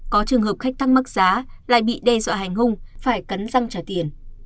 có trường hợp khách tăng mắc giá lại bị đe dọa hành hung phải cắn răng trả tiền